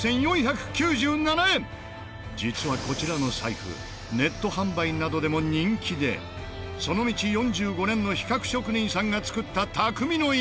実はこちらの財布ネット販売などでも人気でその道４５年の皮革職人さんが作った匠の逸品。